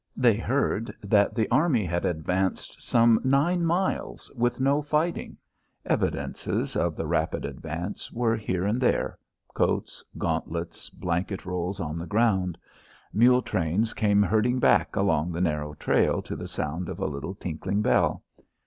They heard that the army had advanced some nine miles with no fighting. Evidences of the rapid advance were here and there coats, gauntlets, blanket rolls on the ground. Mule trains came herding back along the narrow trail to the sound of a little tinkling bell.